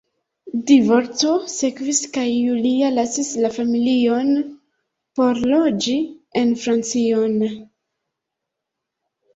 Divorco sekvis kaj Julia lasis la familion por loĝi en Francion.